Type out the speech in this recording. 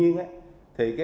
không có thể đánh bại